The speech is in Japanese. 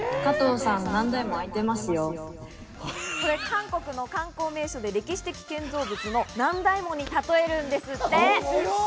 韓国の観光名所で歴史的建造物の南大門に例えるんですって。